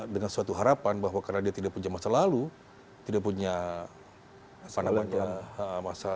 dengan suatu harapan bahwa karena dia tidak punya masa lalu tidak punya masa